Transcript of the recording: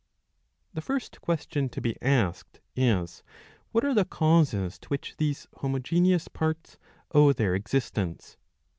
The first question to be asked is what are the causes to which these homogeneous parts owe their existence